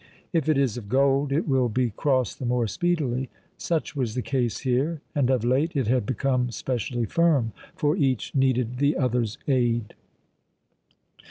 If it is of gold, it will be crossed the more speedily. Such was the case here, and of late it had become specially firm; for each needed the other's aid.